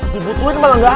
dibutuhin malah gak ada